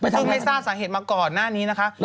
ซึ่งไม่ทราบสาเหตุมาก่อนหน้านี้นะคะ